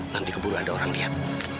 nanti keburu ada orang lihat